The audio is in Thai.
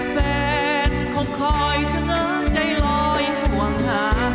แฟนคงคอยเฉงใจลอยห่วงหา